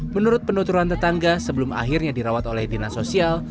menurut penuturan tetangga sebelum akhirnya dirawat oleh dinasosial